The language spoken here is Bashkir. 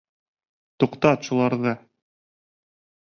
Туҡтат шуларҙы!!!